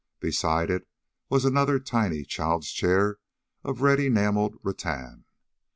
Beside it was another tiny child's chair of red enameled rattan.